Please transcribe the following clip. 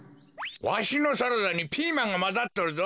わしのサラダにピーマンがまざっとるぞ。